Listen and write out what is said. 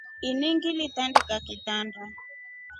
Ini ngilitandika kitanda.